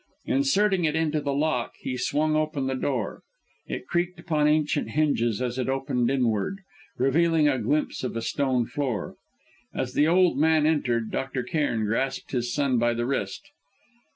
Inserting it into the lock, he swung open the door; it creaked upon ancient hinges as it opened inward, revealing a glimpse of a stone floor. As the old man entered, Dr. Cairn grasped his son by the wrist.